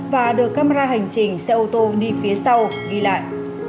và được camera hành trình xe ô tô đi phía sau đi lại